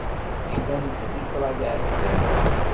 Cfant-d i ṭṭrad iɛeddan.